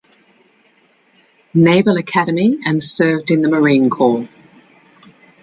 Naval Academy and served in the Marine Corps.